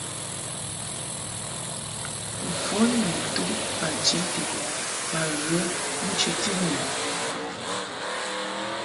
Mfon ni ntum bachinted ma ghə nchəti nu.